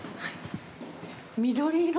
緑色！